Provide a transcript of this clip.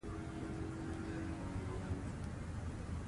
لوستې میندې د ماشومانو د پاک ژوند طرز جوړوي.